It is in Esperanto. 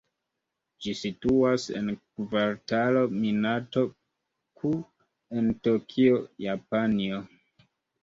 Ĝi situas en Kvartalo Minato-ku en Tokio, Japanio.